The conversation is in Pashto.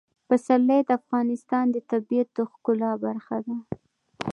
پسرلی د افغانستان د طبیعت د ښکلا برخه ده.